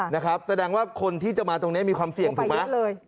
นะครับแสดงว่าคนที่จะมาตรงนี้มีความเสี่ยงถูกไหม